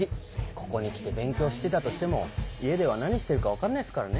ここに来て勉強してたとしても家では何してるか分かんないっすからね